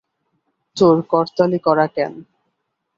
তোর কর্তালি করা কেন।